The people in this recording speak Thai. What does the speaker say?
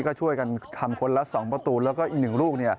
ก็ช่วยกันทำคนละ๒ประตูแล้วก็อีก๑ลูก